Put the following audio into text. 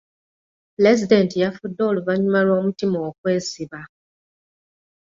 Pulezidenti yafudde oluvannyuma lw'omutima okwesiba.